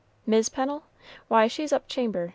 "Mis' Pennel? Why, she's up chamber.